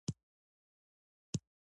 آیا د میندو مړینه کمه شوې؟